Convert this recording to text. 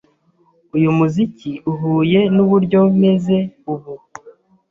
Uyu muziki uhuye nuburyo meze ubu.